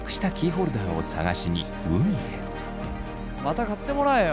また買ってもらえよ。